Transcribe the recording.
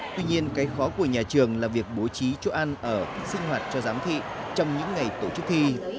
tuy nhiên cái khó của nhà trường là việc bố trí chỗ ăn ở sinh hoạt cho giám thị trong những ngày tổ chức thi